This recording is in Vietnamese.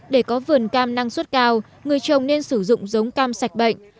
để có vườn cam năng suất cao người trồng nên sử dụng giống cam sạch bệnh